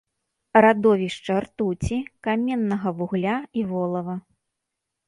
Радовішча ртуці, каменнага вугля і волава.